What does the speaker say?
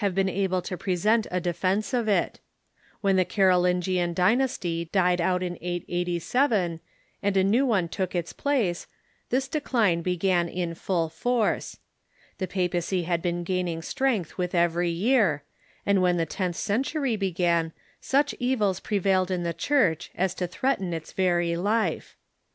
■ been able to present a defence of it. When the Moral Decline „,..,'_,.^ Larolingian dynasty died out m 887, and a new one took its place, this decline began in full force. The pa pacy had been gaining strength with every year, and when the tenth century began such evils prevailed in the Church as to threaten its very life.